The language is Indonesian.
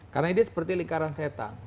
karena ini seperti lingkaran setan